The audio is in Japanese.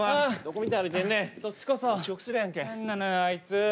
あいつ。